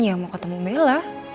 ya mau ketemu bella